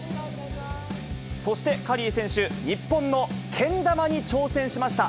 そしてカリー選手、日本のけん玉に挑戦しました。